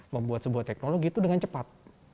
membuat sebuah teknologi itu dengan cepat